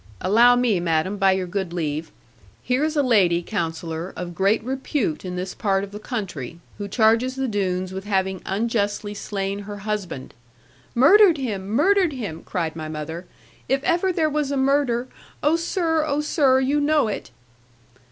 'Allow me, madam, by your good leave. Here is a lady, Counsellor, of great repute in this part of the country, who charges the Doones with having unjustly slain her husband ' 'Murdered him! murdered him!' cried my mother, 'if ever there was a murder. Oh, sir! oh, sir! you know it.'